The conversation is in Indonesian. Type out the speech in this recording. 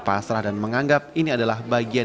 pasrah dan menganggap ini adalah bagian